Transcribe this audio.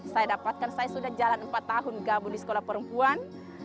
saya dapatkan saya sudah jalan empat tahun gabung di sekolah perempuan